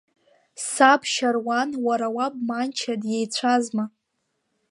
Саб Шьаруан, уара уаб Манча диеицәазма?!